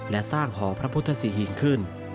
และสร้างหอพระพุทธศรีหิงขึ้น